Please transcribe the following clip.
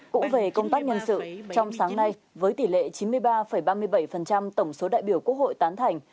cũng về công tác nhân sự trong sáng nay với tỷ lệ chín mươi ba ba mươi bảy tổng số đại biểu quốc hội tán thành